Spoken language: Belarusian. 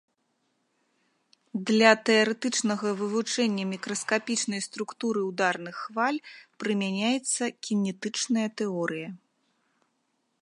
Для тэарэтычнага вывучэння мікраскапічнай структуры ўдарных хваль прымяняецца кінетычная тэорыя.